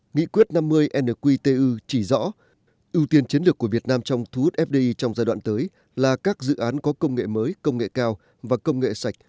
nghị quyết năm mươi nqtu chỉ rõ ưu tiên chiến lược của việt nam trong thu hút fdi trong giai đoạn tới là các dự án có công nghệ mới công nghệ cao và công nghệ sạch